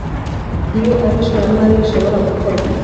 iyo ari ishoramari rishobora gukorwa